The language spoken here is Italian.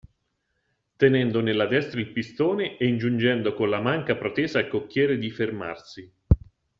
Tenendo nella destra il pistone e ingiungendo colla manca protesa al cocchiere di fermarsi.